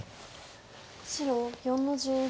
白４の十一。